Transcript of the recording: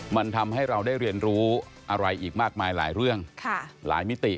มันทำให้เราได้เรียนรู้อะไรอีกมากมายหลายเรื่องหลายมิติ